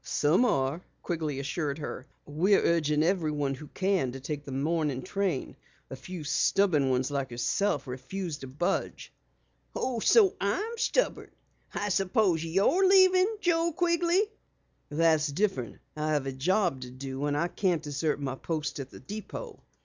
"Some are," Quigley assured her. "We're urging everyone who can to take the morning train. A few stubborn ones like yourself refuse to budge." "Oh, so I'm stubborn! I suppose you're leaving, Joe Quigley?" "That's different. I have a job to do and I can't desert my post at the depot."